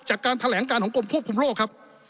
จากการแถลงการของกรมควบคุมโรคครับ